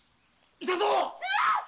・いたぞっ！